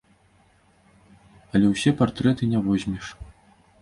Але ўсе партрэты не возьмеш.